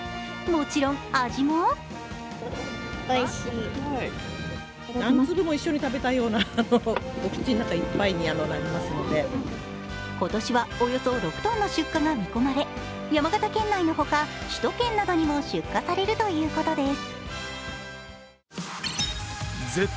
もちろん味も今年はおよそ６ｔの出荷が見込まれ山形県内の他、首都圏などにも出荷されるということです。